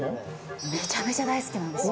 めちゃめちゃ大好きなんですよ。